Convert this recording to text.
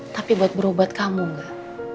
tapi buat berobat kamu gak